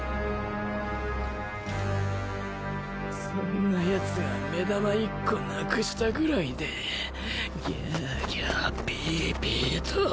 そんなやつが目玉１個なくしたぐらいでギャアギャアピーピーと。